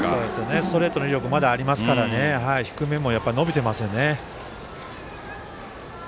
ストレートの威力がまだあるので低めも伸びていますね。